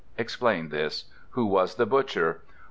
Explain this. Who was the butcher?